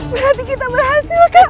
berarti kita berhasil kak